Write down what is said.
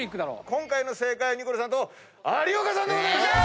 今回の正解ニコルさんと有岡さんでございます！